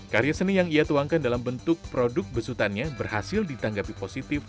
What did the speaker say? karya seni yang ia tuangkan dalam bentuk produk besutannya berhasil ditanggapi positif